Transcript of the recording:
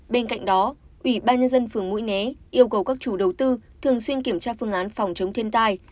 bên cạnh đó ủy ban nhân dân phường mũi né yêu cầu các chủ đầu tư thường xuyên kiểm tra phương án phòng chống thiên tai